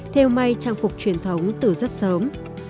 theo may trang phục truyền thống từ rất sớm